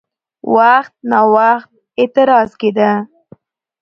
وخت ناوخت اعتراض کېده؛